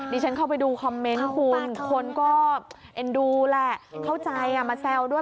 ฉันเข้าไปดูคอมเมนต์คุณคนก็เอ็นดูแหละเข้าใจมาแซวด้วย